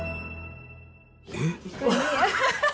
えっ？